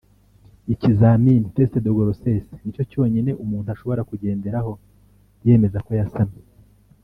ikizamini (Test de grossesse) nicyo cyonyine umuntu ashobora kugenderaho yemeza ko yasamye